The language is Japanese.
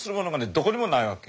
どこにもないわけ。